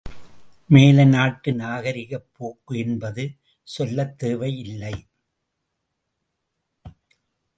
மேலை நாட்டு நாகரிகப் போக்கு என்பது சொல்லத் தேவை இல்லை.